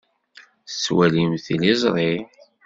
Tettwalimt tiliẓri?